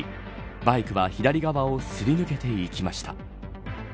バイクは左側をすり抜けていきました。